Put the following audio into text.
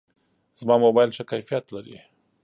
زما موبایل ښه کیفیت لري.